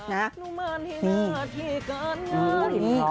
นะฮะนี่